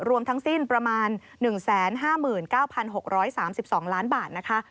รวมทั้งสิ้นประมาณ๑๕๙๖๓๒ล้านบาทนะคะ